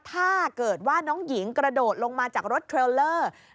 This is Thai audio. ถ้าเกิดว่าน้องหญิงกระโดดลงมาจากรถเทรลเลอร์